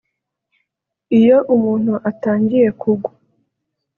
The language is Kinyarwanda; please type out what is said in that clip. Iyo umuntu atangiye kugwa